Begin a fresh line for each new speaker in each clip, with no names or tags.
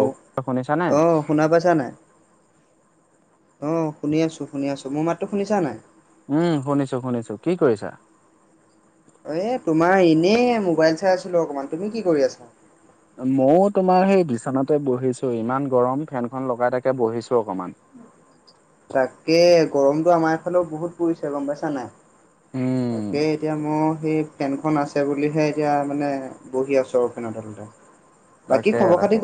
অ,
শুনিছানে?
আহ শুনা পাইছা নাই। অ, শুনি আছোঁ শুনি আছোঁ মোৰ মাতটো শুনিছা নাই।
উম, শুনিছো শুনিছো কি কৰিছা?
এ, তোমাৰ এনেই মোবাইল চাই আছিলো অকমান, তুমি কি কৰি আছা?
মইও তোমাৰ সেই বিচনাতে বহিছো, ইমান গৰম ফেনখন লগাই থাকে বহিছো অকমান।
তাকে গৰমতটো আমাৰ এফালেও বহুত পৰিছে গম পাইছা নাই।
উম
তাকে এতিয়া মোৰ সেই ফেনখন আছে বুলিহে এতিয়া মানে বহি আছো আৰু ফেনৰতলতে
তাকে তাকে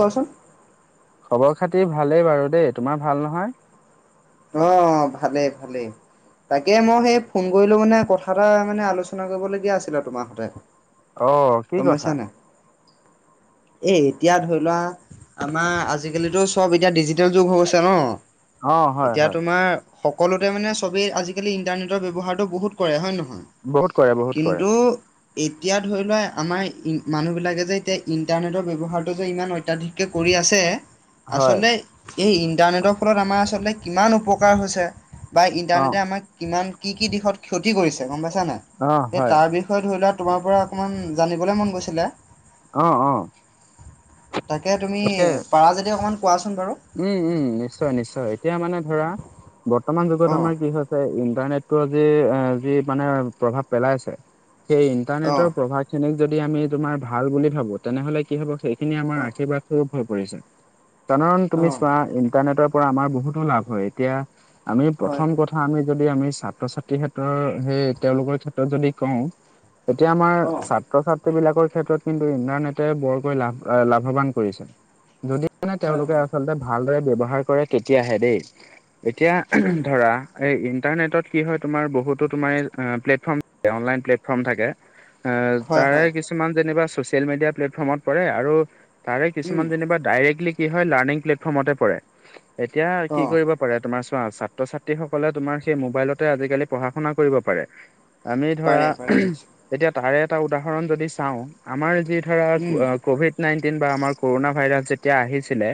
খবৰ খাতিৰ ভালেই বাৰু দেই তোমাৰ ভাল নহয়।
অ, ভালেই ভালেই। তাকে মই সেই ফোন কৰিলো মানে কথা এটা মানে আলোচনা কৰিবলগীয়া আছিলে তোমাৰ হতে।।
অ কি কথা
গম‌পাইছানে নাই। এই এতিয়া ধৰি লোৱা আমাৰ, আজিকালিতো চব এতিয়া ডিজিটেল যুগ হৈ গছে ন।
অ হয়
এতিয়া
হয়
তোমাৰ সকলোতে মানে চবেই আজিকালি ইন্টাৰনেটৰ ব্যৱহাৰটো বহুত কৰে হয় নে নহয়।
বহুত কৰে বহুত কৰে
কিন্ত এতিয়া ধৰি লোৱা আমাৰ ই মানুহবিলাকে যে এতিয়া ইণ্টাৰনেটৰ ব্যৱহাৰটো যে ইমান অত্যাধিক কে কৰি।
হয়
আচলতে এই ইণ্টাৰনেটৰ ফলত আমাৰ আচলতে কিমান উপকাৰ হৈছে। বা
অ
ইণ্টাৰনেটে আমাক কিমান কি কি দিশত ক্ষতি কৰিছে গম পাইছ
অ
নে
হয়
তাৰ বিষয়ে ষ ধৰি লোৱা তোমাৰ পৰা অকনমান জানিবলৈ মন গৈছিলে।
অ অ
তাকে তুমি
তাকে
পাৰা যদি অকমান কোৱাচোন বাৰু
উম উম নিশ্চয় নিশ্চয় এতিয়া মানে ধৰা বৰ্তমান যুগত
অ',
আমাৰ কি হৈছে ইণ্টাৰনেট পৰত যে মানে প্ৰভাৱ পেলাইছে সেই
অ',
ইন্টাৰনেটৰ প্ৰভাৱ সিনিক যদি আমি তোমাৰ ভাল বুলি ভাবো তেনেহলে কি হব সেইখিনি আমাৰ
অ',
আশীবাদো হৈ পৰিছে কাধাৰণ তুমি
অ',
চোৱা ইন্টাৰনেটৰ পৰা আমাৰ বহুতো লাভ হয় এতিয়া আমি
হয়,
প্ৰথম কথা আমি যদি আমি ছাত্ৰ ছাত্ৰীৰ ক্ষেত্ৰৰ সেই তেওঁলোকৰ ক্ষেত্ৰত যদি কওঁ তেতিয়া আমাৰ
অ',
ছাত্ৰ ছাত ত্ৰী বিলাকৰ ক্ষেত্ৰত কিন্তু ইমান এটা বৰকৈ লাভ এ লাভবান কৰিছে যদি মানে তেওঁলোকে আচলতে ভালদৰে ব্যবহাৰ কৰে তেতিয়াহে দেই এতিয়া
উম
ধৰা এই ইণ্টাৰনেটত কি হয় তোমাৰ বহুতো তোমাৰ প্লেটফৰ্ম অনলাইন প্লেটফৰ্ম ফৰ্ম থাকে এ
হয়,
তাৰে
হয়।
কিছুমান যেনিবা চচিয়েল মিডিয়া প্লেটফৰ্মত পৰে আৰু তাৰে
উম,
কিছুমান যেনিবা ডাইৰেক্টলি কি হয় লাৰ্নিং প্লেটফৰ্মতে পৰে এতিয়া কি
অ',
কৰিব কৰে তোমাৰ ছোৱা ছাত্ৰ ছাত্ৰীসকলে তোমাৰ সেই মবাইলতে আজিকালি পঢ়া শুনা কৰিব পাৰে আমি ধৰা
পাৰে পাৰে নিশ্চয়।
এতিয়া তাৰে এটা উদাহৰণ যদি চাওঁ আমাৰ যি ধৰা
উম,
অ ক'ভিড নাইনটিন বা আমাৰ কৰোণা ভাইৰাছ যেতিয়া আহিছিলে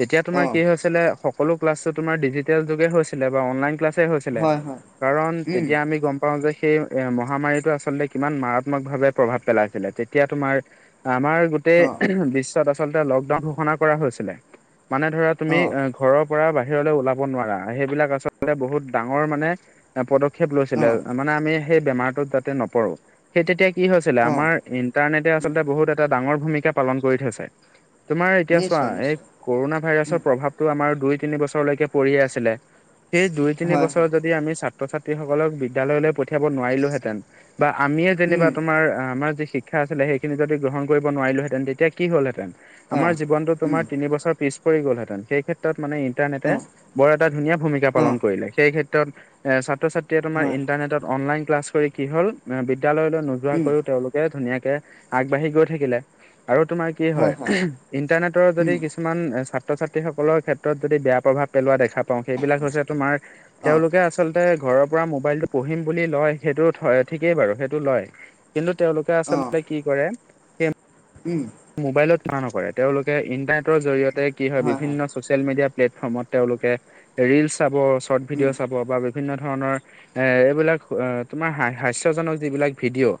তেতিয়া তোমাৰ
অ',
কি হৈছিলে সকলো ক্লাছতো তোমাৰ ডিজিটেল যুগে হৈছিলে বা অনলাইন ক্লাছ হৈছিলে
হয় হয়।
কাৰণ
উম,
তেতিয়া আমি গম প পাওঁ যে সেই এ মহামাৰীতো আচলতে কিমান মাৰাত্মক ভাৱে প্ৰভাৱ পেলাইছিলে তেতিয়া তোমাৰ আমাৰ
অ',
গোটেই বিশ্বত আচলতে লকডাউন ঘোষণা কৰা হৈছিলে মানে ধৰা তুমি অ ঘৰৰ পৰা বাহিৰলৈ ওলাব নোৱাৰা সেইবিলাক আচলতে বহুত ডাঙৰ মানে পদক্ষেপ লৈছিলে
অ',
মানে আমি সেই বেমাৰটোত যাতে নপৰো সেই তেতিয়া কি হৈছিলে
অ',
আমাৰ ইণ্টাৰনেটে
উম,
আচলতে বহুত এটা ডাঙৰ ভূমিকা পালন কৰি থৈছে তোমাৰ এতিয়া চোৱা
নিশ্চয়
এই
নিশ্চয়।
কৰোণা ভাইৰাছৰ
উম,
প্ৰভাৱটো আমাৰ দুই তিনি বছৰলৈকে পৰিয়ে আছিলে সেই দুই তিনি
হয়
বছৰ
হয়।
যদি আমি চা ছাত্ৰ ছাত্ৰীসকলক বিদ্যালয়লৈ পঠিয়াব নোৱাৰিলোহেতেন বা আমিয়ে যেনিবা
উম,
তোমাৰ আমাৰ যি শি ক্ষা আছিলে সেইখিন যদি গ্ৰহণ কৰিব নোৱাৰিলো হেতেন তেতিয়া কি হল হেতেন আমাৰ
অ',
জীৱনটো
উম,
তোমাৰ তিনি বছৰ পিছ পৰি গলহেতেন সেই ক্ষেত্ৰত মানে ইণ্টাৰনেটে
অ',
বৰ এটা ধুনীয়া ভূমিকা
অ',
পালন কৰিলে সেই ক্ষেত্ৰত এ ছাত্ৰ ছাত্ৰীয়ে তোমাৰ
হয়।
ইন্টাৰনেটত অনলাইন ক্লাছ কৰি কি হ'ল এ বিদ্যালয়লৈ
উম,
নোযোৱাকৈও তেওঁলোক ধুনীয়াকে আগবাঢ়ি গৈ থাকিলে আৰু তোমাৰ কি হয় ইন্টাৰনেটৰ যদি
উম,
কিছু কিছুমান ছাত্ৰ ছাত্ৰীসকলৰ ক্ষেত্ৰত যদি বেয়া প্ৰভাৱ পেলোৱা দেখা পাওঁ সেইবিলাক হৈছে তোমাৰ
অ',
তেওঁলোকে আচলতে ঘৰৰ পৰা মোবাইলটো পঢ়িম বুলি লয় সেইটো হয় ঠিকেই বাৰু সেইটো লয় কিন্তু তেওঁলোকে
অ',
আচলতে কি কৰে
উম
মোবাইলত থা নকৰে তেওঁলোকে ইন্টাৰনেটৰ জৰিয়তে কি হয় বিভিন্ন চচিয়েল মেডিয়া প্লেটফৰ্মত তেওঁলোকে ৰিল চাব স্বৰ্ট
উম,
ভিডিঅ' চাব বা বি বিভিন্ন ধৰণৰ এ এইবিলাক তোমাৰ হাস্যজনক যিবিলাক ভিডিঅ'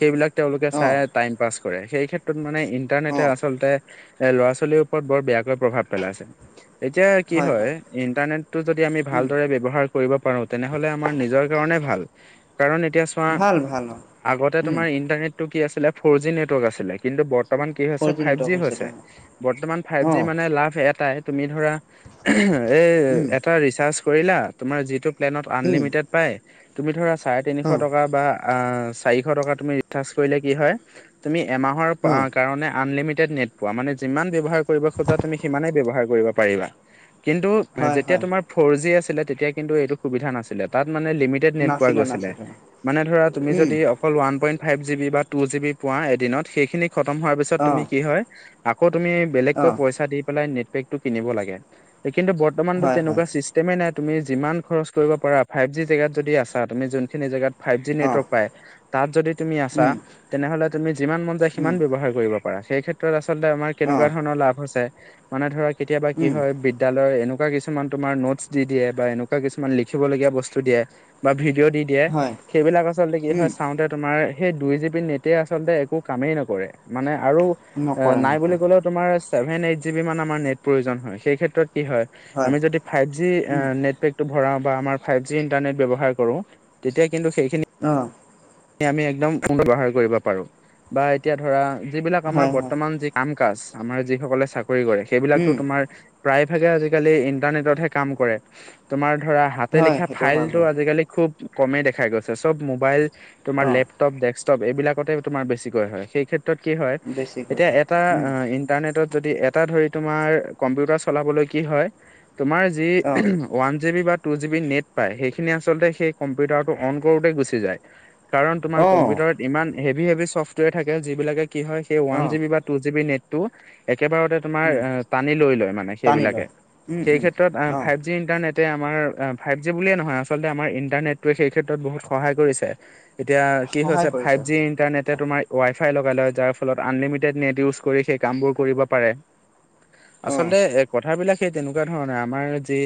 সেইবিলাক তেওঁলোকে চাই
অ',
টাইম পাছ কৰে সেই ক্ষেত্ৰত মানে ইণ্টাৰনেটে
অ',
আচলতে এ ল'ৰা ছোৱালীৰ ওপৰত বৰ বেয়াকৈ প্ৰভাৱ পেলাইছে এতিয়া কি হয় ইন্টাৰনেটটো যদি আমি
উম,
ভালদৰে ব্যৱ হাৰ কৰিব পাৰো তেনেহলে আমাৰ নিজৰ কাৰণে ভাল কাৰন এতিয়া তোমাৰ
ভাল ভাল অ',
আগতে
উম,
তোমাৰ ইন্টাৰনেটটো কি আছিল ফৰ জি নেটৱৰ্ক আছিলে কিন্তু বৰ্তমান কি
ফ'ৰ
হৈছে ফাইভ
নেটৱৰ্ক
জি হৈছে
হৈছিলে অ'।
বৰ্তমান ফাইভ জি
অ',
মানে লাভ এটাই তুমি ধৰা এই
উম,
এটা ৰিচাৰ্জ কৰিলা তোমাৰ যিটো প্লেনত
উম,
আনলিমিটেড পাই তুমি ধৰা চাৰে তিনিশ
অ',
টকা বা চাৰিশ টকা তুমি ৰিচাৰ্জ কৰিলে কি হয় তুমি এমাহৰ
অ',
কাৰণে আনলিমিটেড নেট পোৱা মানে যিমান ব্যবহাৰ কৰিব খোজা সিমানেই ব্যৱহাৰ কৰিব পাৰিবা কিন্তু
হয়
যেতিয়া
হয়।
তোমাৰ ফ'ৰ জি আছিলে তেতিয়া কিন্তু এইটো সুবিধা নাছিলে তাত মানে লিমিট [unintelligible]
নাছিলে
গৈ
নাছিলে।
মানে ধৰা তুমি
উম,
যদি অকল one point five G B বা টু জি বি পোৱা এদিনত সেইখিনি খতম হোৱাৰ পিছত তুমি
অ',
কি হয় আকৌ তুমি বেলেগকৈ
অ',
পইচা দি পেলাই নেট পেকটো কিনিব লাগে কিন্তু বত মান
হয় হয়।
তেনেকুৱাই চিচ তেমে নাই তুমি যিমান খৰচ কৰিব পাৰা ফাইভ জি জেগাত যদি আছা তুমি যোনখিনি জেগাত ফাইভ জি
অ',
নেটৱৰ্ক পায় তাত যদি তুমি আছা
উম,
তেনেহ'লে তুমি যিমান মন যায় সি
উম,
ব্যৱহাৰ কৰিব পাৰা সেই ক্ষেত্ৰত আচলতে আমাৰ কেনেকুৱা
অ',
ধৰণৰ লাভ হৈছে মানে ধৰা কেতিয়াবা কি
উম,
হয় বিদ্যালয়ৰ এনেকুৱা কিছু কিছুমান তোমাৰ নোটছ দি দিয়ে বা এনেকুৱা কিছুমান লিখিবলগীয়া বস্তু দিয়ে বা ভিডিঅ' দি দিয়ে
হয়,
সেইবিলাক আচলতে কি
উম,
হয় চাওঁতে তোমাৰ সেই দুই জি বি নেটে আচলতে একো কামেই নক কৰে মানে আৰু এ
নকৰে
নাই বুলি
নকৰে,
ক'লে তোমাৰ ছেভেন এইট জিব বি মান আমাৰ নেট প্ৰয়োজন হয় সেই ক্ষেত্ৰত কি হয় আমি যদি ফাইভ জি এ
উম,
নেটপেক টো ভৰাও বা আমাৰ ফাইভ জি ইণ্টাৰনেট ব্যৱহাৰ কৰোঁ তেতিয়া কিন্তু সেইখিনি
অ
আমি একদম ফোল ব্যৱহাৰ কৰিব পাৰো বা এতিয়া ধৰা যিবিলাক আমাৰ
হয়, হয়,
বৰ্তমান যি কাম কাজ আমাৰ যি সকলে চাকৰি কৰে সেইবিলাকতো
উম,
তোমাৰ প্ৰায় ভাগে আজিকালি ইন্টাৰনেটতহে কাম কৰে তোমাৰ ধৰা হাতে
হয়,
লিখা
সেইটো হয়
ফাইলটো
বাৰু,
আজিকালি খুব কমেই দেখা গৈছে চব মোবাইল তোমাৰ
অ',
লেপ লেটপ ডেকটপ এইবিলাকতে তোমাৰ বেছিকৈ হয় সেই শে ত কি হয়
বেছিকৈ
এতিয়া
হয়,
এটা
উম,
অ ইণ্টাৰনেটত যদি এ টা ধৰি তোমাৰ কম্পিউটাৰ চলাবলৈ কি হয় তোমাৰ যি
অ',
ওৱান জিব বা টু জি বি নেট পায় সেইখিনি আচলতে সেই কম্পিউটাৰটো অন কৰোতে গুচি যায়। কাৰণ তোমাৰ
অ',
কম্পিউটাৰত ইমান হেভি হেভি চফ্টৱেৰ থাকে যিবিলাকে কি হয় সেই ওৱান
অ',
জি বি বা টু জিব নেট টো একেবাৰতে তোমাৰ
উম,
এ টানি লৈ লয় মানে
টানি
সেইবিলাকে
লয়, উম,
সেই
উম,
ক্ষেত্ৰত এ
অ',
ফাই যি ইণ্টাৰনেটে আমাৰ ফাইভ জি বুলিয়ে নহয় আচলতে আমাৰ ইণ্টাৰনেটোৱে সেই ক্ষেত্ৰত বহুত সহায় কৰিছে। এতিয়া কি
সহায়
হৈছে
কৰিছে,
ফাইভ জি ইণ্টাৰনেটে তোমাৰ ৱাইফাই লগাই লয় যাৰ ফলত আনলিমিটেড নেট ইউজ কৰি সেই কামবোৰ কৰিব পাৰে।
অ',
আচলতে এ কথাবিলাক সেই তেনেকুৱা ধৰণে আমাৰ যি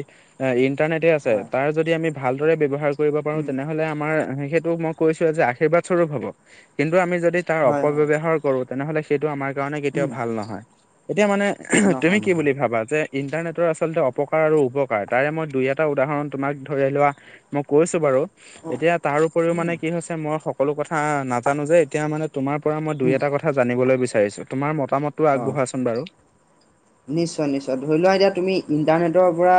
এ ইন্টাৰনেটে আছে
হয়,
তাৰ যদি আমি ভালদৰে ব্যৱহাৰ কৰিব পাৰো
উম,
তেনেহলে আমাৰ সে ত মই কৈছো যে আশীৰ্বাদ স্বৰূপ হব কিন্তু আমি যদি তাৰ
হয়, হয়,
অপব্যৱহাৰ কৰো তেনেহ'লে সেইটো আমাৰ কাৰণে কেতিয়াও
উম,
ভাল নহয়। এতিয়া মানে তুমি
নহয়
কি বুলি
নহয়,
ভাবা যে ইণ্টাৰনেটৰ আচলতে অপকাৰ আৰু উপকাৰ তাৰে মই দুই এটা উদাহৰণ তোমাক ধৰি লোৱা মই কৈছো বাৰু
অ',
এতিয়া তাৰ তাৰ উপৰিও মানে
উম,
কি হৈছে মই সকলো কথা নাজানো যে এতিয়া মানে তোমাৰ পৰা মই দুই
উম,
এটা কথা কথা জানিবলৈ বিচাৰিছো তোমাৰ মতামতটো
অ',
আগবঢ়াচোন বাৰু
নিশ্চয় নিশ্চয় ধৰি লোৱা এতিয়া তুমি ইণ্টাৰনেটৰ পৰা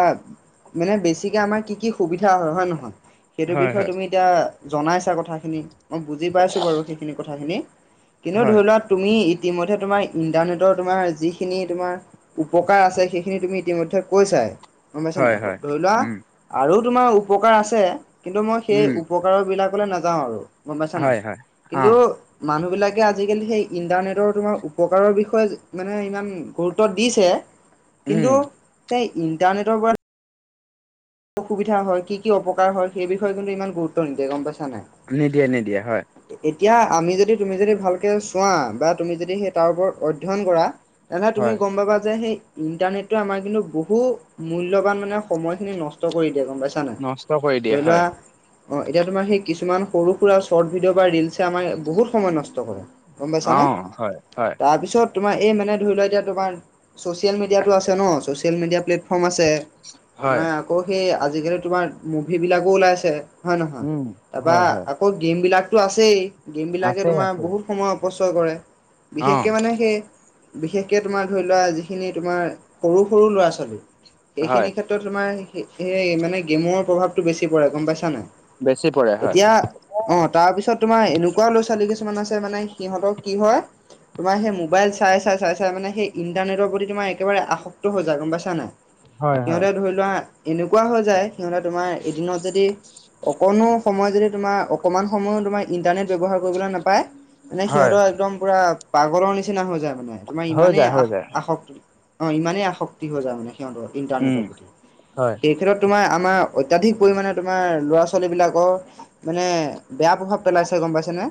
মানে বেছিকে আমাৰ কি কি সুবিধা হয় হয় নহয় সেইটো
হয়
বিষয়ে
হয়
তুমি এতিয়া জনাইছা কথাখিনি মই বুজি পাইছোঁ বাৰু সেইখিনি কথাখিনি কিন্তু
হয়
ধৰি লোৱা তুমি ইতিমধ্যে তোমাৰ ইন্টাৰনেটৰ তোমাৰ যিখিনি তোমাৰ উপকাৰ আছে সেইখিনি তুমি ইতিমধ্যে কৈছাই গম পাইছা না
হয় হয়
ধৰি লোৱা
উম
আৰু তোমাৰ উপকাৰ আছে কিন্তু মই সেই
উম
উপকাৰ বিলাকলৈ নাযাওঁ আৰু গম পাইছা নাই
হয় হয় অ
কিন্তু মানুহবিলাকে আজিকালি সেই ইণ্টাৰনেটৰ তোমাৰ উপকাৰৰ বিষয়ে যি মানে ইমান গুৰু ত্ব দিছে
উম
কিন্তু সেই ইণ্টাৰনেটৰ পৰা সুবিধা হয় কি কি অপকাৰ হয় সেই বিষয়ে কিন্তু ইমান গুৰুত্ব নিদিয়ে গম পাইছা নাই
নিদিয়ে নিদিয়ে হয়।
এতিয়া আমি যদি তুমি যদি, ভালকে চোৱা বা তুমি যদি সেই তাৰ ওপৰত অধ্যয়ন কৰা। তেনেহ'লে তুমি
হয়
গম পাবা যে সেই ইন্টাৰনেতটোৱে আমাৰ কিন্তু বহু মূল্যবান মানে সময়খিনি নষ্ট ষ্ট কৰি দিয়ে গম পাইছা নে নাই।
নষ্ট কৰি দিয়ে
ধৰি
হয়
লোৱা অ এতিয়া তোমাৰ সেই কিছুমান সৰু সুৰা শৰ্ট ভিডিঅ' বা ৰিলছে আমাৰ বহুত সময় নষ্ট কৰে। গম
অ
পাইছানে।
হয় হয়
তাৰপিছত তোমাৰ এই মানে ধৰি লোৱা এতিয়া তোমাৰ চ'চিয়েল মিডিয়াটো আছে ন। ছ'চিয়েল মিডিয়া প্লেটফৰ্ম আছে।
হয়
তোমাৰ আকৌ সেই আজিকালি তোমাৰ মুভি বিলাকো ওলাইছে। হয় নহয়।
উম
তাৰপা
হয় হয়
আকৌ গেম বিলাকতো আছেই। গেম বিলাকে
আছে
তোমাৰ
আছে
বহুত সময়ত অপচয় কৰে।
অ
বিশেষকৈ মানে সেই, বিশেষকে তোমাৰ ধৰি লোৱা যিখিনি তোমাৰ সৰু সৰু ল'ৰা ছোৱালী। সেইখিনি
হয়
ক্ষেত্ৰত তোমাৰ সেই মানে গেমৰ প্ৰভাৱতটো বেছি পৰে গম পাইছা নাই।
বেছি পৰে হয়
এতিয়া অ। তাৰ পিছত তোমাৰ এনেকুৱাও ল'ৰা ছোৱালী কিছুমান আছে। মানে সিহঁতৰ কি হয় তোমাৰ সেই ম'বাইল চাই-চাই-চাই-চাই মানে সেই ইন্টাৰনেটৰ প্ৰতি তোমাৰ একেবাৰে আসক্ত হৈ যায়। গম পাইছা নাই।
হয় হয়
সিহঁতে ধৰি লোৱা এনেকুৱা হৈ যায়। সিহঁতে তোমাৰ এদিনত যদি অকণো সময় যদি তোমাৰ অকণমান সময়ো তোমাৰ ইণ্টাৰনেট ব্যৱহাৰ কৰিবলৈ নাপায়। মানে
হয়
সিহঁতৰ একদম পুৰা পাগলৰ নিচিনা হৈ যায় মানে। তোমাৰ
হৈ
ইমানেই
যায় হৈ
আস
যায়
আসক্ত অ ইমানেই আসক্তি হৈ যায় মানে সিহঁতৰ।
উম, হয়।
এই ক্ষেত্ৰত তোমাৰ আমাৰ অত্যাধিক পৰিমাণে তোমাৰ ল'ৰা-ছোৱালী বিলাকৰ মানে, বেয়া প্ৰভাৱ পেলাইছে গম পাইছেনে।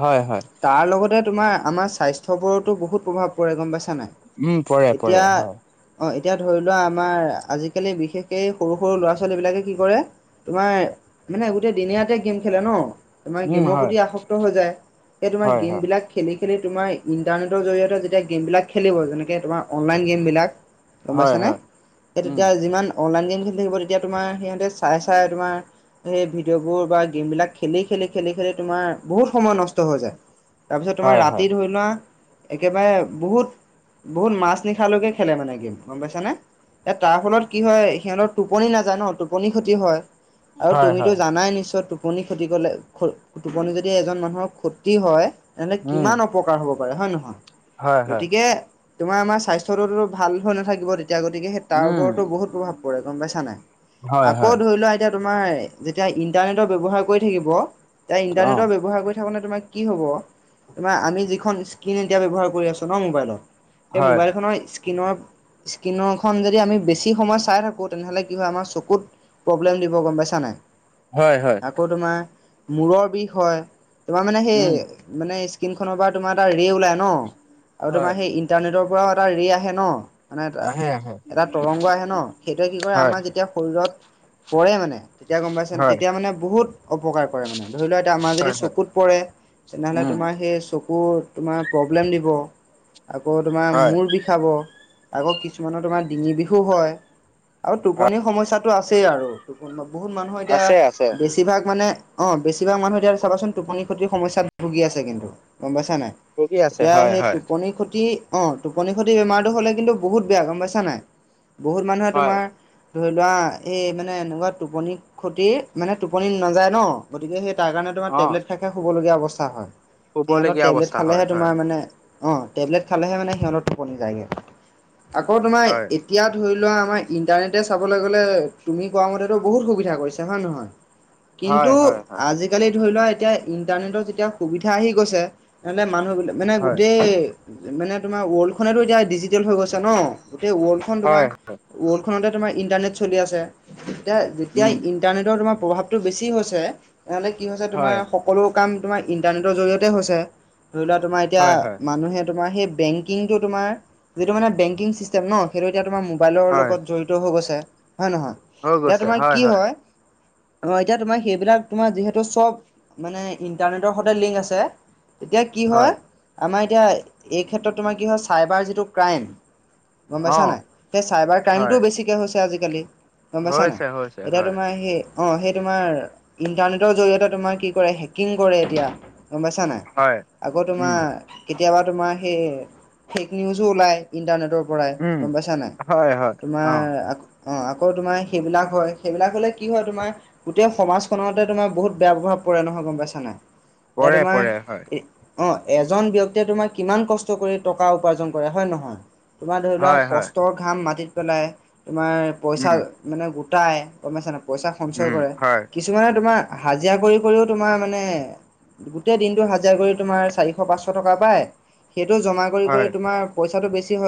হয় হয়
তাৰ লগতে তোমাৰ আমাৰ স্বাস্থ্যৰ ওপৰতো বহুত প্ৰভাৱ পৰে গম পাইছা নাই।
উম পৰে পৰে
এতিয়া
হয়
অ', এতিয়া ধৰি লোৱা আমাৰ আজিকালি বিশেষ সেই সৰু-সৰু ল'ৰা ছোৱালী বিলাকে কি কৰে তোমাৰ মানে গোটেই দিনে- ৰাতিয়ে গেম খেলে ন। তোমাৰ
উম
গেমৰ
হয়
প্ৰতি আসক্ত হৈ যায়। সেই তোমাৰ
হয় হয়
গেমবিলাক খেলি-খেলি তোমাৰ ইণ্টাৰনেটৰ জৰিয়তে যেতিয়া গেমবলাক খেলিব। যেনেকে তোমাৰ অনলাইন গেম বিলাক। গম
হয়
পাইছানে।
হয়
সেই
উম
তেতিয়া যিমান অনলাইন গেম খেলি থাকিব তেতিয়া তোমাৰ সিহঁ তে চাই চাই তোমাৰ সেই ভিডিঅ'বোৰ বা গেম বিলাক খেলি-খেলি-খেলি-খেলি তোমাৰ বহুত সময় নষ্ট হৈ যায়। তাৰপিছত তোমাৰ
হয় হয়
ৰাতি ধৰি লোৱা। একেবাৰে বহুত বহুত মাছ নিশালৈকে খেলে মানে গেম গম পাইছ নে। এ তাৰ ফলত কি হয় সিহঁতৰ টোপনি নাযায় ন। টোপনি ক্ষতি হয়। আৰু
হয়
তুমিতো
হয়
জানাই নিশ্চয় টোপনি খতি কৰিলে, টোপনি যদি এজন মানুহৰ ক্ষতি হয়। তেনেহলে
উম
কিমান অপকাৰ হব পাৰে হয় নে নহয়।
হয় হয়
গতিকে তোমাৰ আমাৰ স্বাস্থ্যটোটো ভাল হৈ নাথা থাকিব তেতিয়া। গতিকে সেই তাৰ
উম
ওপৰতো বহুত প্ৰভাৱ পৰে গম পাইছা নাই।
হয়
আকৌ
হয়
ধৰি লোৱা এতিয়া তোমাৰ যেতিয়া ইণ্টাৰনেটৰ ব্যৱহাৰ কৰি থাকিব। তেতিয়া
অ
ইন্টাৰনেটৰ ব্যৱহাৰ কৰি থাকোতে তোমাৰ কি হ'ব। তোমাৰ আমি যিখন স্ক্ৰীন এতিয়া ব্যৱহাৰ কৰি আছো ন ম'বাইলত। সেই
হয়
ম'বাইল খনৰ স্কিনৰ স্কিনৰ খন যদি আমি বেছি সময় চাই থাকো। তেনেহলে কি হয় আমাৰ চকুত প্ৰব্লেম দিব গম পাইছা নাই।
হয় হয়
আকৌ তোমাৰ মূৰৰ বিষ হয়। তোমাৰ মানে সেই
উম
মানে স্ক্ৰীন খনৰ পৰা তোমাৰ এটা ৰে ওলাই ন। আৰু
হয়
তোমাৰ সেই ইণ্টাৰনেটৰ পৰাও এটা ৰি আহে ন। মানে এ
আহে আহে
এটা তৰংগ আহে ন। সেইটোৱে কি কৰে
হয়
আমাৰ যেতিয়া শৰীৰত পৰে মানে, তেতিয়া গম পাইছে,
হয়
তেতিয়া মানে বহুত অপকাৰ কৰে মানে। ধৰি লোৱা এতিয়া আমাৰ যদি
হয় হয়
চকুত পৰে। তেনেহ'লে
উম
তোমাৰ সেই চকুত তোমাৰ প্ৰব্লেম দিব আকৌ তোমাৰ
হয়
মূৰ বিষ ষাব। আকৌ কিছুমানৰ তোমাৰ ডিঙি বিষো হয়। আৰু টোপনিৰ সমস্যাটো আছেই আৰু। বহুত মানুহৰ এতিয়া
আছে আছে
বেছি। বেছিভাগ মানে অ, বেছিভাগ মানুহ এতিয়া চাবাচোন টোপনি খতিৰ সমস্যাটোত ভুগি আছে কিন্তু। গম পাইছা নাই?
ভুগি আছে
এতিয়া
হয়
সেই
হয়
টোপনি খতি অ, টোপনি সতি বেমাৰটো হ'লে কিন্তু বহুত বেয়া গম পাইছা নাই। বহুত মানুহে
হয়
তোমাৰ ধৰি লোৱা, এই মানে এনেকুৱা টোপনী ক্ষতি মানে টোপনি নাযায় ন। গতিকে সেই তাৰ কাৰণে, তোমাৰ
অ
টেবলেট খাই খাই শুব লগীয়া অৱস্থা হয়। সিহঁতৰ
শুবলগীয়া
টেবলেট
অৱস্থা হয়
খালেহে
হয়
তোমাৰ মানে, অ, টেবলেট খালেহে মানে সিহঁত টোপনি যায়গে। আকৌ তোমাৰ
হয়
এতিয়া ধৰি লোৱা আমাৰ ইণ্টাৰনেটে চাবলৈ গ'লে, তুমি কোৱা মতেতো বহুত সুবিধা কৰিছে হয় নে নহয়? কিন্তু,
হয় হয় হয়
আজি আজিকালি ধৰি লোৱা এতিয়া ইণ্টাৰনেটৰ যেতিয়া সুবিধা আহি গৈছে। তেনেহলে মানুহ বিলাক মানে
হয়
গোটেই মানে তোমাৰ ৱৰ্ল্ড খনেতো এতিয়া ডিজিটেল হৈ গৈছে ন। গোটেই ৱৰ্ল্ডখন তোমাৰ
হয়
ৱৰ্ল্ডখনতে তোমাৰ ইণ্টাৰনেট চলি আছে এতিয়া। যেতিয়া
উম
ইণ্টাৰনেটৰ তোমাৰ প্ৰভাৱটো বেছি হৈছে। তেনেহ'লে কি হৈছে তোমাৰ
হয়
সকলো কাম তোমাৰ ইণ্টাৰনেটৰ জৰিয়তে হৈছে। ধৰি লোৱা তোমাৰ এতিয়া
হয় হয়
মানুহে তোমাৰ সেই বেংক কিং টো তোমাৰ যিটো তোমাৰ বেংকিং চিষ্টেম ন। সেইটো এতিয়া তোমাৰ ম'বাইলৰ
হয়
লগত জড় হৈ গৈছে হয় নে নহয়? এতিয়া তোমাৰ কি হয়। অ, এতিয়া তোমাৰ সেইবিলাক তোমাৰ যিহেতু চব মানে ইণ্টাৰনেটৰ সৈতে লিংক আছে। তেতিয়া কি হয়, আমাৰ এতিয়া এই ক্ষেত্ৰত তোমাৰ কি হয় চাইবাৰ যিটো ক্ৰাইম গম
অ
পাইছা নাই? সেই চাইবাৰ
হয়
ক্ৰাইমটোও বেছিকৈ হৈছে আজিকালি। গম পাইছা নাই।
হৈছে হৈছে
এতিয়া
হয়
তোমাৰ সেই অ', সেই তোমাৰ ইণ্টাৰনেটৰ জৰিয়তে তোমাৰ কি কৰে হেকিং কৰে এতিয়া। গম পাইছা নাই।
হয়
আকৌ তোমাৰ
উম
কেতিয়াবা তোমাৰ সেই ফেক নিউজো ওলায়। ইণ্টাৰনেটৰ পৰাই গম পাইছা নে নাই।
হয়-হয়।
তোমাৰ আকৌ অ, আকৌ তোমাৰ সেইবিলাক হয়। সেইবিলাক হ'লে কি হয় তোমাৰ। গোটেই সমাজখনতে তোমাৰ বহুত বেয়া প্ৰভাৱ পৰে নহয় গম পাইছা নাই। এতিয়া
পৰে
তোমাৰ
পৰে হয়
অ, এজন ব্যক্তিয়ে তোমাৰ কিমান কষ্ট কৰি টকা উপাৰ্জন কৰে হয় নে নহয়? তোমাৰ ধৰি লোৱা
হয় হয়
কষ্টৰ ঘাম মাটিত পেলাই। তোমাৰ পইচা
উম
মানে গোটাই। গম পাইছা নে নাই। পইচা সঞ্চয়
উম
কৰে।
হয়
কিছুমানে তোমাৰ হাজিৰা কৰি কৰিও তোমাৰ মানে, গোটেই দিনটো হাজিৰা কৰি তোমাৰ চাৰিশ পাঁচশ টকা পায়। সেইটো জমা কৰি
হয়
কৰি তোমাৰ পইচাটো বেছি হয়।